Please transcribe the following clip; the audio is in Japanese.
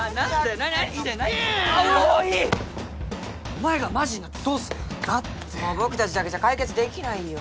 お前がマジになってどうすんだよだってもう僕たちだけじゃ解決できないよ